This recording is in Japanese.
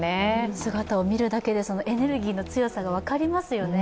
姿を見るだけで、エネルギーの強さが分かりますよね。